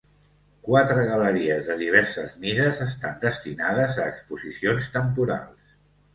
Quatre galeries de diverses mides estan destinades a exposicions temporals.